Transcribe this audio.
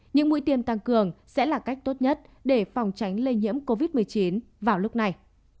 những mũi tiêm tăng cường sẽ là cách tốt nhất để phòng tránh lây nhiễm covid một mươi chín vào lúc này